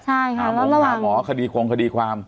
ใช่ค่ะแล้วระหว่างหาหมอคดีควรคดีความ